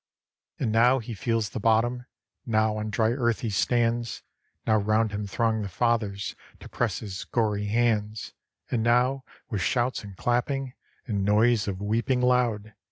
And now he feels the bottom; Now on dry earth he stands; Now round him throng the Fathers To press his gory hands; And now, with shouts and clapping. And noise of weeping loud.